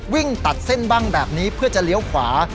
วิ่งตัดเส้นบ้างแบบนี้เพื่อจะเลี้ยวขวา